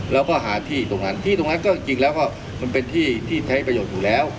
แล้วก็หาที่ตรงนั้นที่ตรงนั้นก็จริงแล้วก็มันเป็นที่ที่ใช้ประโยชน์อยู่แล้ว